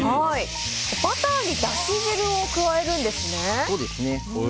バターにだし汁を加えるんですね。